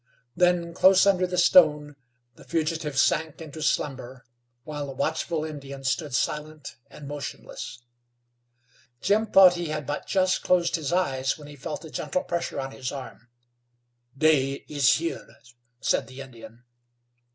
Then, close under the stone, the fugitives sank into slumber while the watchful Indian stood silent and motionless. Jim thought he had but just closed his eyes when he felt a gentle pressure on his arm. "Day is here," said the Indian.